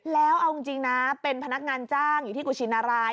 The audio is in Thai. แล้วเอาจริงนะเป็นพนักงานจ้างอยู่ที่กุชินราย